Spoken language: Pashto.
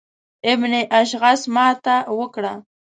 ابن اشعث ماته وکړه.